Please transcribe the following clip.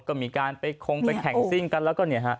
ก็มีการไปคงไปแข่งสิ้งกัน